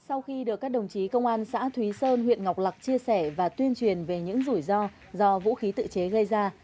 sau khi được các đồng chí công an xã thúy sơn huyện ngọc lạc chia sẻ và tuyên truyền về những rủi ro do vũ khí tự chế gây ra